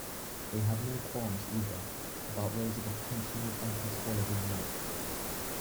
They had no qualms, either, about raising a potentially uncontrollable mob.